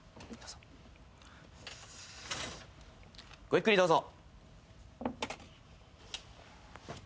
ごゆっくりどうぞ。